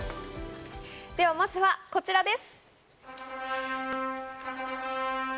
では、まずはこちらです。